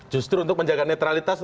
justru untuk menjaga netralitas